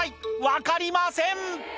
分かりません。